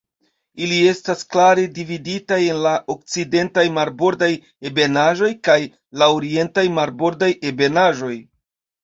Ili estas klare dividitaj en la Okcidentaj Marbordaj Ebenaĵoj kaj la Orientaj Marbordaj Ebenaĵoj.